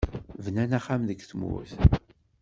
Bnan axxam deg tmurt.